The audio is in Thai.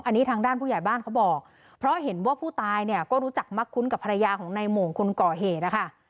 อันนี้ทางด้านผู้ใหญ่บ้านเขาบอกเพราะเห็นว่าผู้ตายเนี่ยก็รู้จักมักคุ้นกับภรรยาของนายโมงคนก่อเหตุนะคะ